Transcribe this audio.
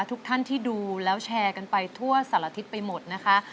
ทุกท่านที่ดูแล้วแชร์กันไปทั่วสารทิศไปหมดนะคะ